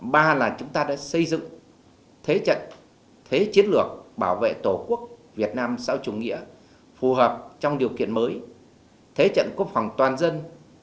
ba là chúng ta đã xây dựng thế trận thế chiến lược bảo vệ tổ quốc việt nam sau chủ nghĩa phù hợp trong điều kiện mới thế trận quốc phòng toàn dân